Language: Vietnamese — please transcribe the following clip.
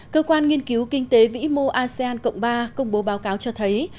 cơ quan nghiên cứu kinh tế vĩ mô asean cộng ba công bố báo cáo cho thấy